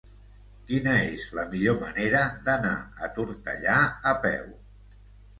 Quina és la millor manera d'anar a Tortellà a peu?